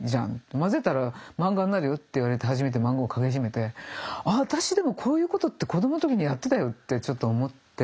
まぜたら漫画になるよ」って言われて初めて漫画を描き始めてあっ私でもこういうことって子供の時にやってたよ！ってちょっと思って。